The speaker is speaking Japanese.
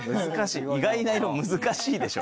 意外な色難しいでしょ。